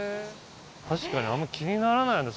確かにあんま気にならないね